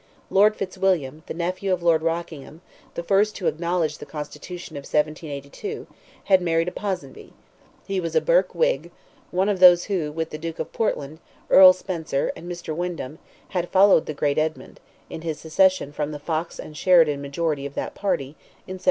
Lord Fitzwilliam, the nephew of Lord Rockingham, the first to acknowledge the constitution of 1782, had married a Ponsonby; he was a Burke whig—one of those who, with the Duke of Portland, Earl Spencer, and Mr. Windham, had followed the "great Edmund," in his secession from the Fox and Sheridan majority of that party, in 1791.